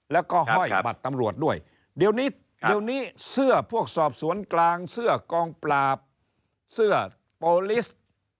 แล้วก็ห้อยบัตรตำรวจด้วยเดี๋ยวนี้เดี๋ยวนี้เสื้อพวกสอบสวนกลางเสื้อกองปราบเสื้อโปรลิส